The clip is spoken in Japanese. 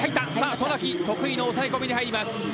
渡名喜得意の抑え込みに入ります。